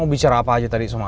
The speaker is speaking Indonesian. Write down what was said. mau bicara apa aja tadi sama adi